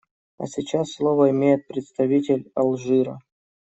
А сейчас слово имеет представитель Алжира.